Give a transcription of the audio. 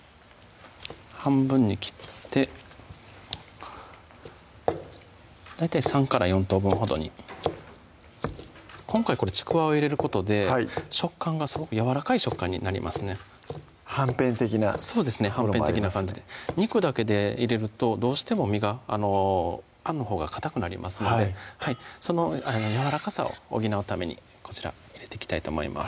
半分に切って大体３４等分ほどに今回これちくわを入れることで食感がすごくやわらかい食感になりますねはんぺん的なそうですねはんぺん的な感じで肉だけで入れるとどうしても身があんのほうがかたくなりますのでそのやわらかさを補うためにこちら入れていきたいと思います